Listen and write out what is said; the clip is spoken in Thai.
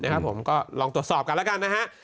เนี่ยครับผมก็ลองตรวจสอบกันละกันนะฮะ